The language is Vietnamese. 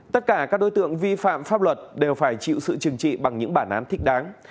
tất cả các đối tượng vi phạm pháp luật đều phải chịu sự chừng trị bằng những bản án thích đáng